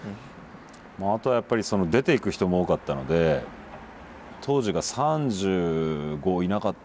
あとはやっぱりその出ていく人も多かったので当時が３５いなかったんじゃないですかね。